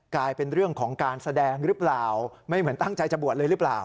กลายเป็นเรื่องของการแสดงหรือเปล่าไม่เหมือนตั้งใจจะบวชเลยหรือเปล่า